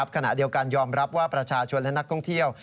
ขณะเดียวกันยอมรับว่าประชาชนและนักท่องเที่ยว